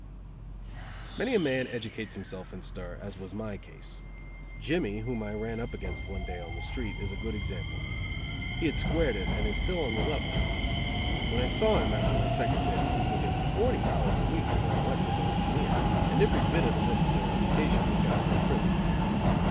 Many a man educates himself in stir, as was my case. Jimmy, whom I ran up against one day on the street, is a good example. He had squared it and is still on the level. When I saw him, after my second bit, he was making forty dollars a week as an electrical engineer; and every bit of the necessary education he got in prison.